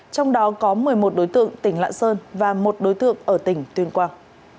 trong đó có một mươi một đối tượng tỉnh lạng sơn và một đối tượng ở tỉnh tuyên quang